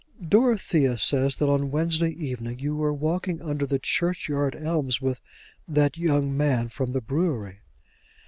"Dorothea says that on Wednesday evening you were walking under the churchyard elms with that young man from the brewery."